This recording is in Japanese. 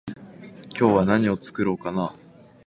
今日は何を作ろうかな？